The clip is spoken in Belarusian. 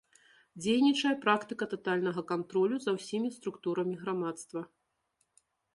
Дзейнічае практыка татальнага кантролю за ўсімі структурамі грамадства.